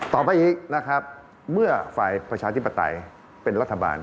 ต่อไปอีกนะครับเมื่อฝ่ายประชาธิปไตยเป็นรัฐบาล